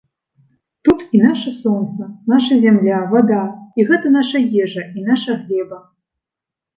Тут і наша сонца, наша зямля, вада, і гэта наша ежа і наша глеба.